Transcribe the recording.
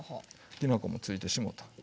きな粉もついてしもうた。